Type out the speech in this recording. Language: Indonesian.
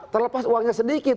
terlepas uangnya sedikit